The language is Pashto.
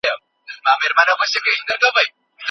خلع د طلاق ځانګړی ډول دی.